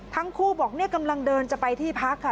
ทั้งคู่บอกเนี่ยกำลังเดินจะไปที่พักค่ะ